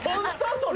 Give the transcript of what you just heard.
それ。